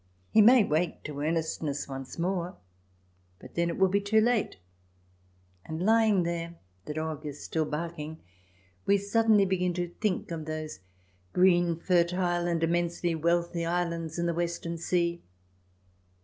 He may wake to earnestness once CH. XVI] SUBJECT RACES 217 more, but then it will be too late, and lying there — the dog is still barking — we suddenly begin to think of those green, fertile, and immensely wealthy islands in the Western sea.